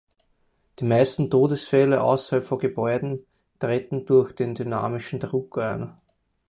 Die meisten Todesfälle außerhalb von Gebäuden treten durch den dynamischen Druck ein.